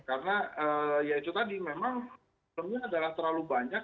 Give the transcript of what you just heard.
karena ya itu tadi memang penjelasan terlalu banyak